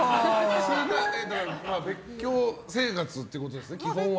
別居生活っていうことですね基本は。